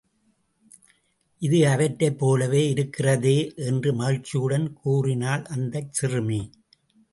இது அவற்றைப் போலவே இருக்கிறதே! என்று மகிழ்ச்சியுடன் கூறினாள் அந்தச் சிறுமி.